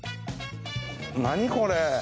何これ。